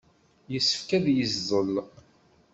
Yessefk ad yeẓẓel.